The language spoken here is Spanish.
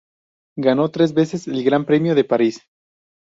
Ganó tres veces el Gran Premio de París.